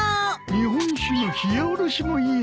日本酒のひやおろしもいいぞ。